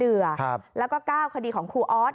และจากนี้๙ขดีของครูอ๊อต